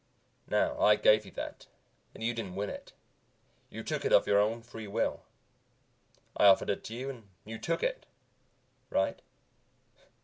"Now, I gave you that and you didn't win it. You took it of your own free will. I offered it to you and you took it. Right?"